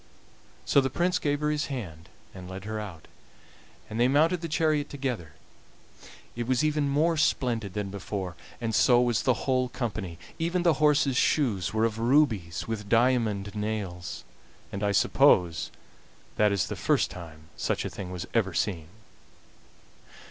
So the Prince gave her his hand and led her out, and they mounted the chariot together; it was even more splendid than before, and so was the whole company. Even the horses' shoes were of rubies with diamond nails, and I suppose that is the first time such a thing was ever seen.